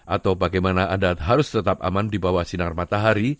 atau bagaimana adat harus tetap aman di bawah sinar matahari